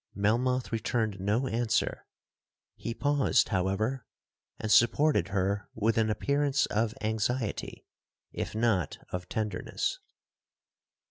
Melmoth returned no answer. He paused, however, and supported her with an appearance of anxiety, if not of tenderness.